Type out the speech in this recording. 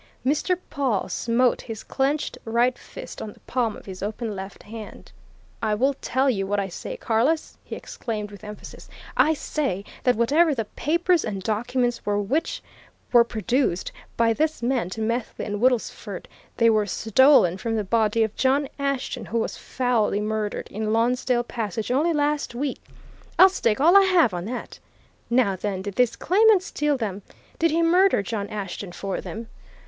Mr. Pawle smote his clenched right fist on the palm of his open left hand. "I will tell you what I say, Carless!" he exclaimed with emphasis. "I say that whatever the papers and documents were which were produced by this man to Methley and Woodlesford, they were stolen from the body of John Ashton, who was foully murdered in Lonsdale Passage only last week. I'll stake all I have on that! Now, then, did this claimant steal them? Did he murder John Ashton for them?